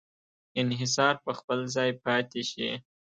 انحصار په خپل ځای پاتې شي.